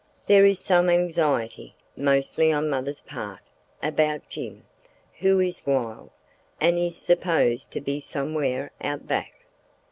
There is some anxiety (mostly on mother's part) about Jim, who is "wild," and is supposed to be somewhere out back.